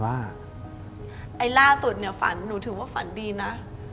ไอล่าตุดฝันหนูถือว่าฝันดีนะ